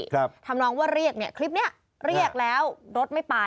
ทำนองว่าเรียกเนี่ยคลิปเนี้ยเรียกแล้วรถไม่ไป